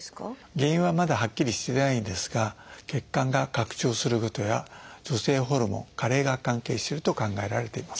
原因はまだはっきりしてないんですが血管が拡張することや女性ホルモン加齢が関係してると考えられています。